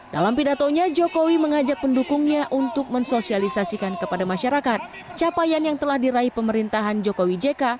dalam pidatonya jokowi mengajak pendukungnya untuk mensosialisasikan kepada masyarakat capaian yang telah diraih pemerintahan jokowi jk